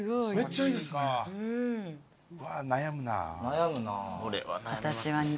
うわ悩むな。